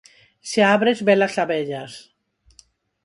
Se a abres, ves as abellas.